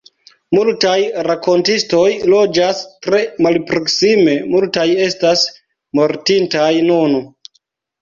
Multaj rakontistoj loĝas tre malproksime, multaj estas mortintaj nun.